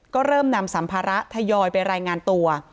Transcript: ก็เริ่มนำสัมภาระทยอยไปรายงานตัว